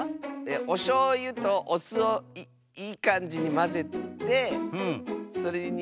おしょうゆとおすをいいかんじにまぜてそれにつけてたべます！